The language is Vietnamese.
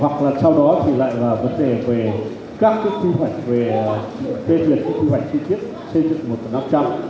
hoặc là sau đó thì lại là vấn đề về các cái kế hoạch về tê duyệt kế hoạch chi tiết xây dựng một năm trăm